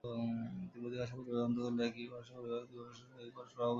তিব্বতি ভাষা পরিবারের অন্তর্গত হলেও একই ভাষা পরিবারের তিব্বতি ভাষার সাথে এটি পরস্পর-অবোধগম্য।